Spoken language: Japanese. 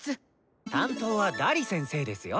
担当はダリ先生ですよ。